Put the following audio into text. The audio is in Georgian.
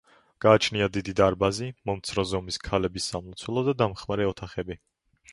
გააჩნია დიდი დარბაზი, მომცრო ზომის ქალების სამლოცველო და დამხმარე ოთახები.